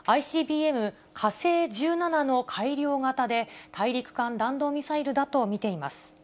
ＩＣＢＭ・火星１７の改良型で、大陸間弾道ミサイルだと見ています。